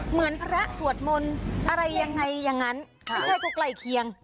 เหมือนพระสวดมนต์อะไรยังไงอย่างนั้นไม่ใช่ก็ใกล้เคียง